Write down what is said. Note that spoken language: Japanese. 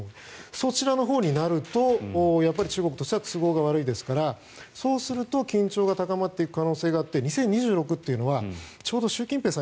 そちらのほうになるとやっぱり中国としては都合が悪いですからそうすると、緊張が高まっていく可能性があって２０２６年というのはちょうど習近平さん